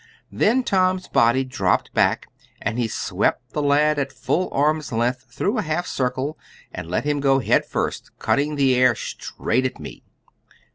Then Tom's body dropped back, and he swept the lad at full arm's length, through a half circle, and let him go head first, cutting the air, straight at me.